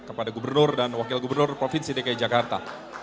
kepada gubernur dan wakil gubernur provinsi dki jakarta